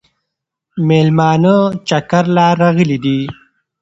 مېلمانه چکر له راغلي دي